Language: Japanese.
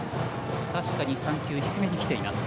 確かに３球低めに来ています。